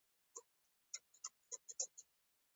انګلیسي د چارواکو د کار ژبه ده